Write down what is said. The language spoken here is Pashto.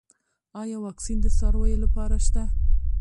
آیا واکسین د څارویو لپاره شته؟